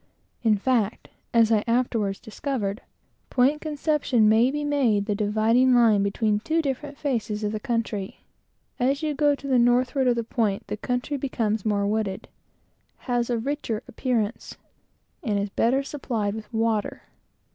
In fact, as I afterwards discovered, Point Conception may be made the dividing line between two different faces of the country. As you go to the northward of the point, the country becomes more wooded, has a richer appearance, and is better supplied with water.